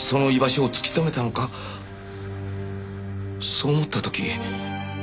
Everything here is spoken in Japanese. そう思った時。